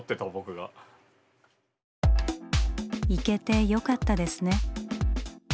行けてよかったですね。